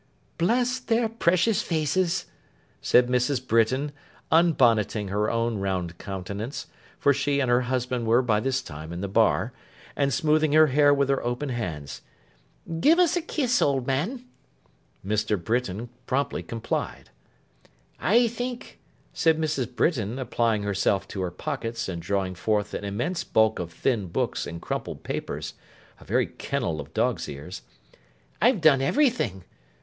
'Bless their precious faces!' said Mrs. Britain, unbonneting her own round countenance (for she and her husband were by this time in the bar), and smoothing her hair with her open hands. 'Give us a kiss, old man!' Mr. Britain promptly complied. 'I think,' said Mrs. Britain, applying herself to her pockets and drawing forth an immense bulk of thin books and crumpled papers: a very kennel of dogs' ears: 'I've done everything.